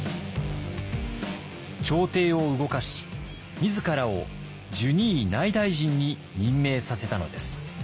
朝廷を動かし自らを従二位内大臣に任命させたのです。